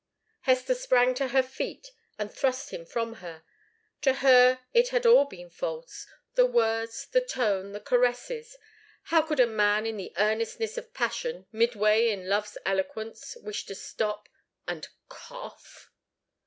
Hester sprang to her feet, and thrust him from her. To her it had all been false, the words, the tone, the caresses. How could a man in the earnestness of passion, midway in love's eloquence, wish to stop and cough?